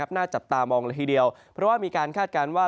หน้าจับตามองละทีเดียวเพราะว่ามีการคาดการณ์ว่า